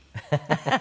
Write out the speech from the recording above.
ハハハ！